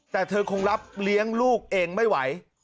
แต่เธอคงรับเลี้ยงลูกเองไม่ไหว